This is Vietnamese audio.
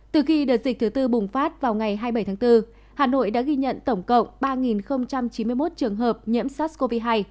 từ khi đợt dịch thứ tư bùng phát vào ngày hai mươi bảy tháng bốn hà nội đã ghi nhận tổng cộng ba chín mươi một trường hợp nhiễm sars cov hai